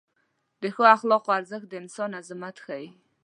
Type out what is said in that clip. د ښو اخلاقو ارزښت د انسان عظمت ښیي.